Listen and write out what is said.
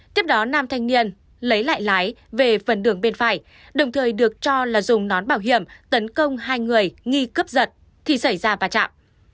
tiếp đó nam thanh niên lấy lại lái về phần đường bên phải đồng thời được cho là dùng nón bảo hiểm tấn công hai người nghi cướp giật thì xảy ra va chạm